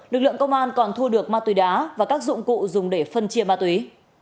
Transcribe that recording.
lực lượng công an còn thu được ma túy đá và các dụng cụ dùng để phân chia ma túy